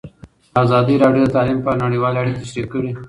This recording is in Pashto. ازادي راډیو د تعلیم په اړه نړیوالې اړیکې تشریح کړي.